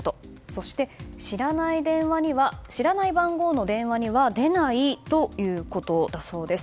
そして、知らない番号の電話には出ないということだそうです。